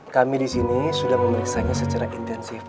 kami disini sudah memeriksa secara intensif